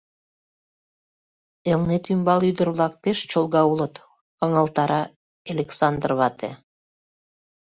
— Элнетӱмбал ӱдыр-влак пеш чолга улыт, — ыҥылтара Элександр вате.